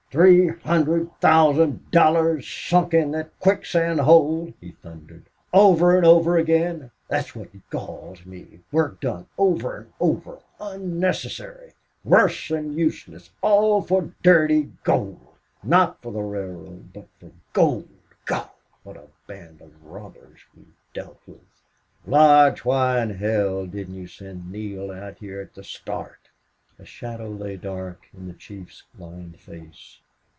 "Three hundred thousand dollars sunk in that quicksand hole!" he thundered. "Over and over again! That's what galls me. Work done over and over unnecessary worse than useless all for dirty gold! Not for the railroad, but for gold!... God! what a band of robbers we've dealt with!... Lodge, why in hell didn't you send Neale out here at the start?" A shadow lay dark in the chiefs lined face.